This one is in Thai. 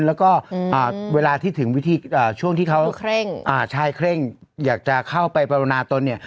แล้วก็เวลาที่ถึงวิธีช่วงที่เขาชายเคร่งอยากจะเข้าไปปรณาตนเนี่ย